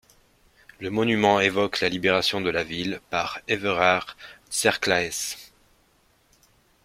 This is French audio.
Le monument évoque la libération de la ville par Éverard t'Serclaes.